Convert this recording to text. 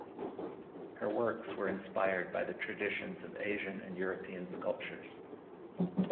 Her works were inspired by the traditions of Asian and European sculptures.